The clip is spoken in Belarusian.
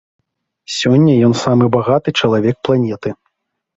Сёння ён самы багаты чалавек планеты.